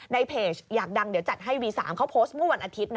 เพจอยากดังเดี๋ยวจัดให้วี๓เขาโพสต์เมื่อวันอาทิตย์นะ